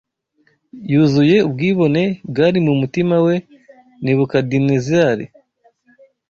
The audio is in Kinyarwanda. Yuzuye ubwibone bwari mu mutima we Nebukadinezari